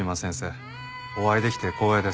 お会いできて光栄です。